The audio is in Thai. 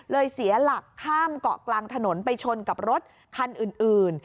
เสียหลักข้ามเกาะกลางถนนไปชนกับรถคันอื่น